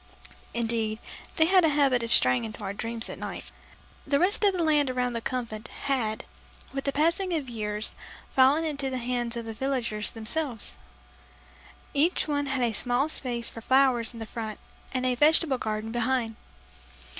(Indeed, they had a habit of straying into our dreams at night.) The rest of the land around the Convent had, with the passing of the years, fallen into the hands of the villagers themselves. Each one had a small space for flowers in front and a vegetable garden behind.